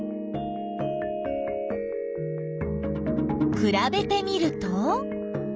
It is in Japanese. くらべてみると？